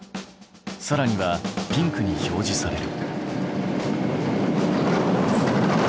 さらにはピンクに表示される。